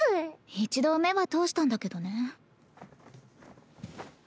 一度目は通したんだけどね。